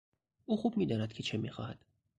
او خوب میداند که چه میخواهد.